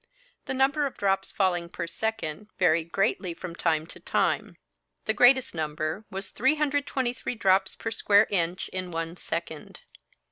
The number of drops falling per second varied greatly from time to time. The greatest number was 323 drops per square inch in one second.